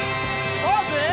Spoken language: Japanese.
ポーズ！